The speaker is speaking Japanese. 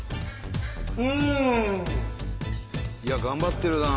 うん！いや頑張ってるなあ。